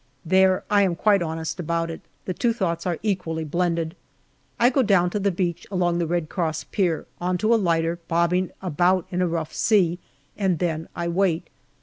There, I am quite honest about it the two thoughts are equally blended. I go down to the beach along the Red Cross Pier, on to a lighter bobbing about in a rough sea, and then I wait.